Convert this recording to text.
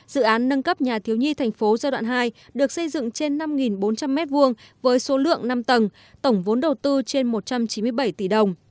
dự án nâng cấp nhà thiếu nhi thành phố giai đoạn hai được xây dựng trên năm bốn trăm linh m hai với số lượng năm tầng tổng vốn đầu tư trên một trăm chín mươi bảy tỷ đồng